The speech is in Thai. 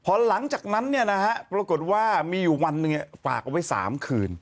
พอหลังจากนั้นเนี่ยนะฮะปรากฏว่ามีอยู่วันนึงเนี่ยฝากเอาไว้สามคืน